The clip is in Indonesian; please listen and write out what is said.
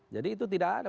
jadi itu tidak ada